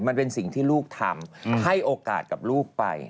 มันเป็นสิ่งที่ลูกทำให้โอกาสกับลูกไป